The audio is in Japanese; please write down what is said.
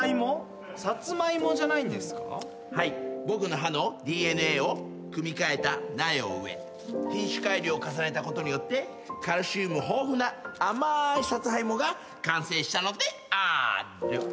僕の歯のＤＮＡを組み換えた苗を植え品種改良を重ねたことによってカルシウム豊富な甘いＳＡＴＳＵＨＡＩＭＯが完成したのである。